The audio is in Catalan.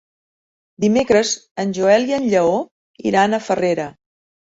Dimecres en Joel i en Lleó iran a Farrera.